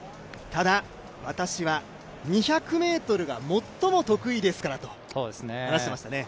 ただ、私は２００ｍが最も得意ですからと話していましたね。